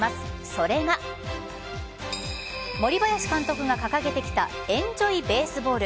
それが森林監督が掲げてきたエンジョイ・ベースボール。